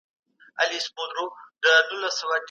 د روسيې تاریخ ډیر اوږد دی.